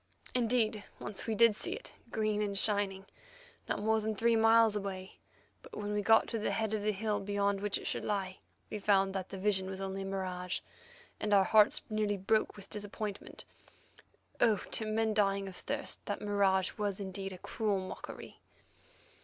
Indeed, once we did see it, green and shining, not more than three miles away, but when we got to the head of the hill beyond which it should lie we found that the vision was only a mirage, and our hearts nearly broke with disappointment. Oh! to men dying of thirst, that mirage was indeed a cruel mockery.